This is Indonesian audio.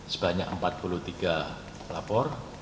sebanyak empat puluh tiga pelapor